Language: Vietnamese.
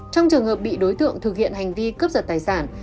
trong trường hợp bị đối tượng thực hiện hành vi cướp giật tài sản